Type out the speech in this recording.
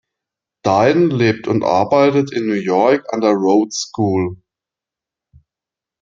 Dine lebt und arbeitet in New York an der Rhodes School.